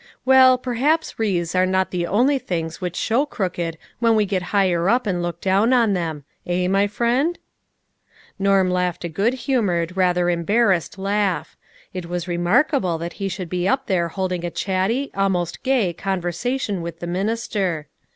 Well, perhaps wreaths are not the only things which show crooked when we get higher up and look down on them. Kh, my friend ?" Norm laughed a good humored, rather embar rassed laugh. It was remarkable that he should be up here holding a chatty, almost gay, conver sation with the minister.